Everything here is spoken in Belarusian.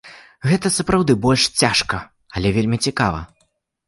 Гэта сапраўды больш цяжка, але вельмі цікава.